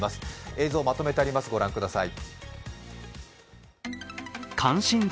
映像をまとめてあります、御覧ください。